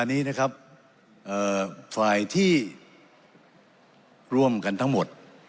อันนี้นะครับฝ่ายที่ร่วมกันทั้งหมด